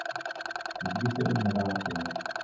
Nikdy se už nevrátil.